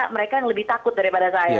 mereka yang lebih takut daripada saya